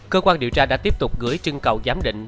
cơ quan điều tra đã tiếp tục gửi trưng cầu giám định